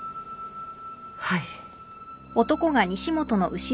はい。